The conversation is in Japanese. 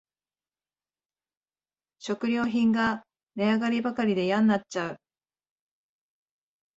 食料品が値上がりばかりでやんなっちゃう